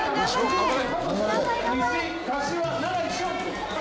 頑張れ。